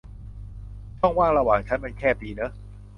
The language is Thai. ช่องว่างระหว่างชั้นมันแคบดีเนอะ